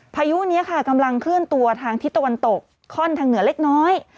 พายุนี้ค่ะกำลังเคลื่อนตัวทางทิศตะวันตกคล่อนทางเหนือเล็กน้อย